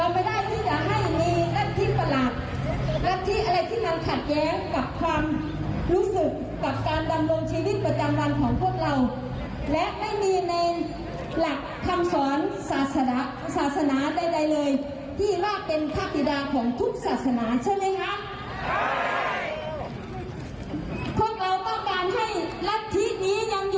พวกเราต้องการให้ลัทธินี้ยังอยู่ในอำเภอขออนศาลของเราไหมคะ